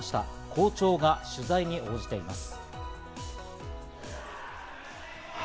校長が取材に応じています。